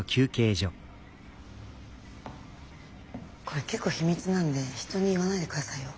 これ結構秘密なんで人に言わないでくださいよ。